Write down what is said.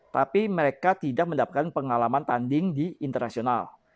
tapi mereka tidak mendapatkan pengalaman tanding di internasional